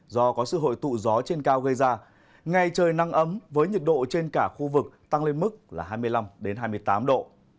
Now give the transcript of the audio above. do có sự hội tụ gió trên cao gây ra ngày trời nắng ấm với nhiệt độ trên cả khu vực tăng lên mức là hai mươi năm hai mươi tám độ